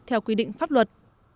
theo quy định pháp luật